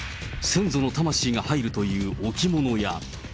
先祖の魂が入るという置き物や。